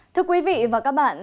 thưa quý vị và các bạn